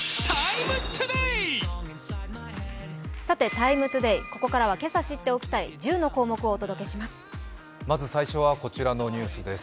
「ＴＩＭＥ，ＴＯＤＡＹ」、ここからは今朝知っておきたい１０の項目をお届けします。